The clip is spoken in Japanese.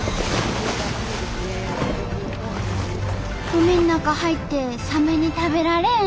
海の中入ってサメに食べられん？